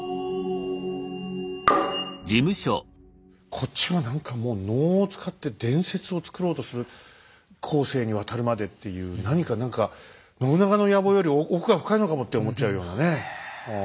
こっちは何かもう後世にわたるまでっていう何か何か信長の野望より奥が深いのかもって思っちゃうようなね。